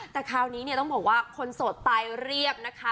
แต่คราวนี้เนี่ยต้องบอกว่าคนโสดตายเรียบนะคะ